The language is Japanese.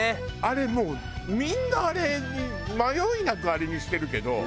もうみんなあれに迷いなくあれにしてるけど。